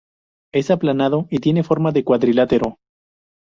Es aplanado y tiene forma de cuadrilátero.